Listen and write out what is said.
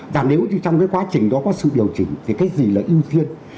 và nếu như trong cái quá trình đó có sự điều chỉnh thì cái gì là ưu tiên